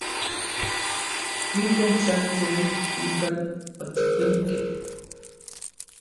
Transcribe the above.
Iuan san semij ipan otsikuinkej.